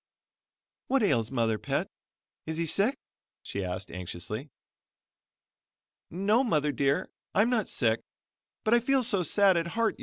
"What ails mother's Pet? Is he sick?" she asked anxiously. "No, Mother dear, I'm not sick, but I feel so sad at heart.